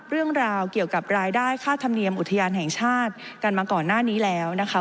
เรื่องราวเกี่ยวกับรายได้ค่าธรรมเนียมอุทยานแห่งชาติกันมาก่อนหน้านี้แล้วนะคะ